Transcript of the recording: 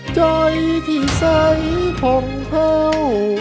จอยที่ใส่ของเผา